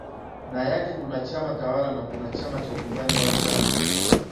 na yake kuna chama tawala na kuna chama cha upinzani au chama